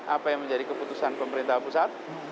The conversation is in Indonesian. apa yang menjadi keputusan pemerintah pusat